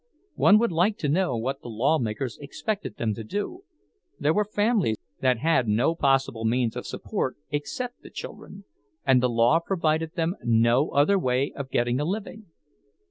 One would like to know what the lawmakers expected them to do; there were families that had no possible means of support except the children, and the law provided them no other way of getting a living.